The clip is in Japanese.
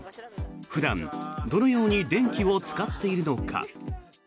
普段、どのように電気を使っているのか。